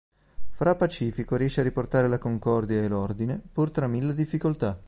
Fra' Pacifico riesce a riportare la concordia e l'ordine pur tra mille difficoltà.